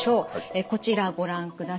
こちらご覧ください。